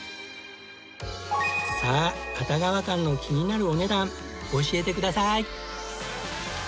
さあ熱川館の気になるお値段教えてください！